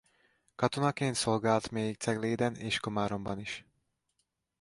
Katonaként szolgált még Cegléden és Komáromban is.